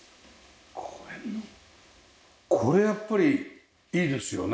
これこれやっぱりいいですよね。